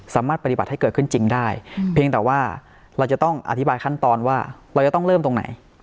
สามารถปฏิบัติให้เกิดขึ้นจริงได้เพียงแต่ว่าเราจะต้องอธิบายขั้นตอนว่าเราจะต้องเริ่มตรงไหน